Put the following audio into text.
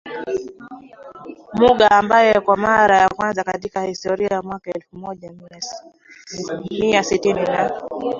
Muga ambaye kwa mara ya kwanza katika historia mwaka elfu moja mia tisini na